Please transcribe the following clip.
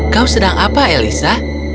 kau sedang apa elisa